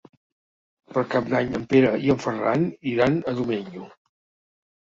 Per Cap d'Any en Pere i en Ferran iran a Domenyo.